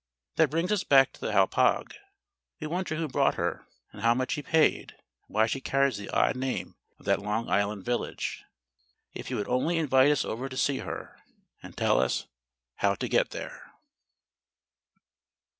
That brings us back to the Hauppauge. We wonder who bought her, and how much he paid; and why she carries the odd name of that Long Island village? If he would only invite us over to see her and tell us how to get there!